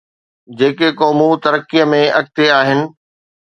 جيڪي قومون ترقيءَ ۾ اڳتي آهن.